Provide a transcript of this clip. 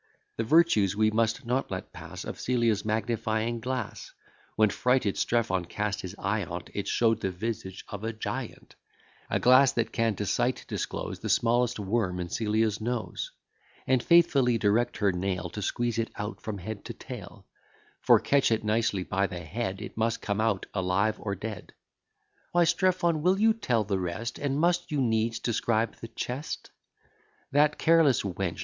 The virtues we must not let pass Of Celia's magnifying glass; When frighted Strephon cast his eye on't, It shew'd the visage of a giant: A glass that can to sight disclose The smallest worm in Celia's nose, And faithfully direct her nail To squeeze it out from head to tail; For, catch it nicely by the head, It must come out, alive or dead. Why, Strephon, will you tell the rest? And must you needs describe the chest? That careless wench!